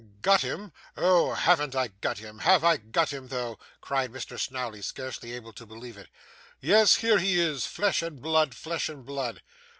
'Got him! Oh, haven't I got him! Have I got him, though?' cried Mr Snawley, scarcely able to believe it. 'Yes, here he is, flesh and blood, flesh and blood.